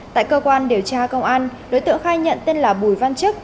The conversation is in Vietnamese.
tại cơ quan điều tra công an đối tượng khai nhận tên là bùi văn chức